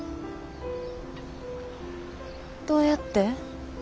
どうやって？